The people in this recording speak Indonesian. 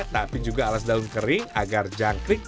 tapi juga alas daun kering agar jangkrik